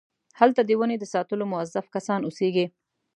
هلته د ونې د ساتلو موظف کسان اوسېږي.